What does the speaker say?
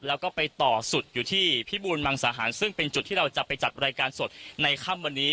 แล้วก็ไปต่อสุดอยู่ที่พิบูรมังสาหารซึ่งเป็นจุดที่เราจะไปจัดรายการสดในค่ำวันนี้